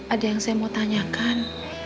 ada yang saya mau tanyakan